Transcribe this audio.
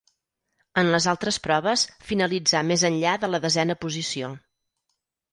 En les altres proves finalitzà més enllà de la desena posició.